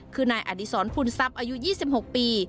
คือนายอดีศรพุนทรัพย์อายุ๒๖ปี